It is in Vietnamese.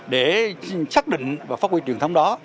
để xác định và phát huy truyền thống đó